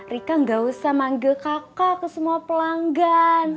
rika gak usah manggil kakak ke semua pelanggan